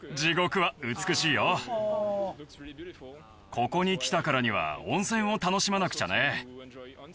ここに来たからには温泉を楽しまなくちゃね。